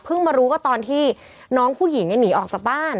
มารู้ก็ตอนที่น้องผู้หญิงหนีออกจากบ้าน